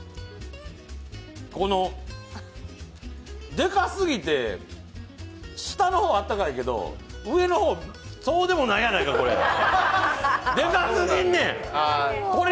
でかすぎて、下の方あったかいけど、上の方、そうでもないやないか、これ。